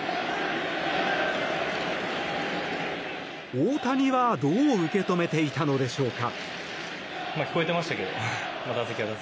大谷はどう受け止めていたのでしょうか。